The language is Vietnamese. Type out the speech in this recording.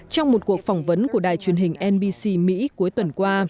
trong một cuộc phỏng vấn của đài truyền hình nbc mỹ cuối tuần qua